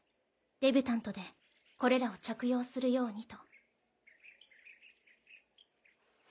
デビュタントでこれらを着用するようにと。